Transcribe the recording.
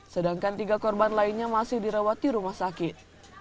sedangkan tiga korban lainnya masih dirawat di rumah sakit